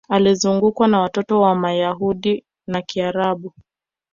Akizungukwa na watoto wa Mayahudi na Kiarabu